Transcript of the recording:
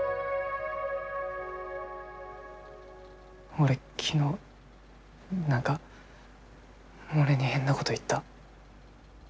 俺昨日何かモネに変なごど言った。